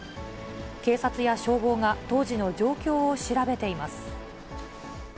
警察や消防が当時の状況を調べています。